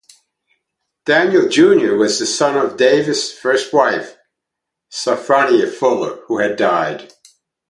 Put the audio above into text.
Daniel Junior was the son of Davis first wife, Sophronia Fuller, who had died.